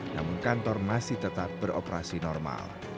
namun kantor masih tetap beroperasi normal